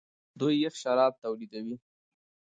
دوی یخ شراب تولیدوي.